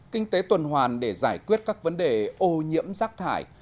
kinh tế tuần hoàn để giải quyết các vấn đề ô nhiễm rác thải